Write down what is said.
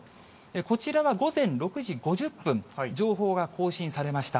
こちらは午前６時５０分、情報が更新されました。